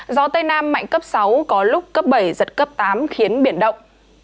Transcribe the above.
gió tây nam mạnh cấp sáu có lúc cấp bảy giật cấp tám khiến biển động